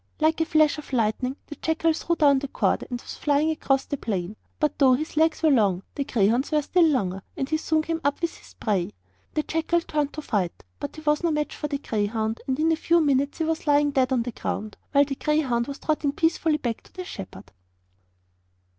Like a flash of lightning the jackal threw down the cord and was flying across the plain; but though his legs were long, the greyhound's legs were longer still, and he soon came up with his prey. The jackal turned to fight, but he was no match for the greyhound, and in a few minutes he was lying dead on the ground, while the greyhound was trotting peacefully back to the shepherd.